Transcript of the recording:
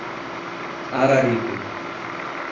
Araripe